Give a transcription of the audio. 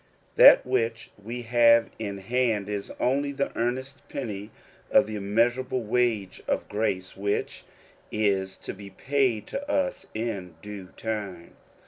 That which we have in hand is only the earnest penny of the immeasurable v/age of grace which is to be paid to us in due time.